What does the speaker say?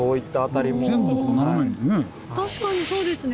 確かにそうですね。